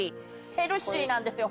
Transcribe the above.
ヘルシーなんですよ。